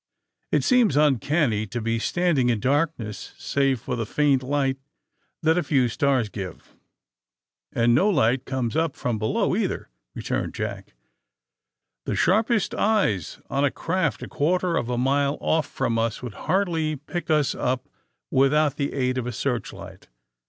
*'It seems uncanny to be standing in darkness save for the faint light that a few stars give." ^^And no light comes up from below, either," returned Jack. ^^The sharpest eyes on a craft a quarter of a mile off from us would hardly pick us up without the aid of a searchlight."